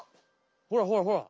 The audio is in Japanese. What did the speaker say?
ほらほらほら！